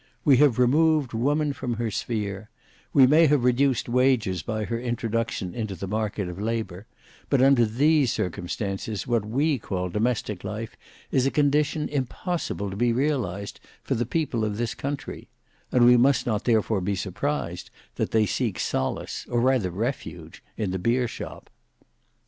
We have removed woman from her sphere; we may have reduced wages by her introduction into the market of labour; but under these circumstances what we call domestic life is a condition impossible to be realized for the people of this country; and we must not therefore be surprised that they seek solace or rather refuge in the beer shop."